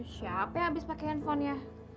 siapa yang abis pake handphone ya